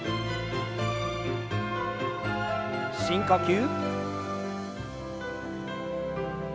深呼吸。